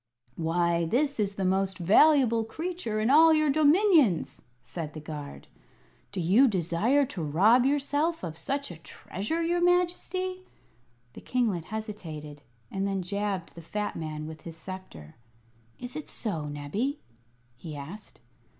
"Why, this is the most valuable creature in all your dominions!" said the guard. "Do you desire to rob yourself of such a treasure, your Majesty?" The kinglet hesitated, and then jabbed the fat man with his sceptre. "Is it so, Nebbie?" he asked.